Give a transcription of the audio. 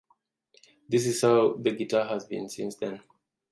This is how the guitar has been since then.